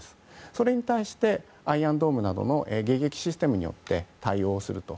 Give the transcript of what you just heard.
それに対しアイアンドームなどの迎撃システムによって対応する。